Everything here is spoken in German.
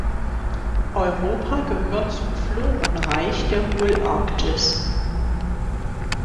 Europa gehört zum Florenreich der Holarktis.